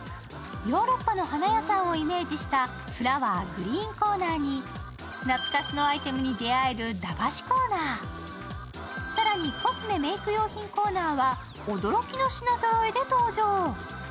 ヨーロッパの花屋さんをイメージしたフラワーグリーンコーナーに懐かしのアイテムに出会える駄菓子コーナー、更に、コスメ・メイク用品コーナーは、驚きの品ぞろえで登場。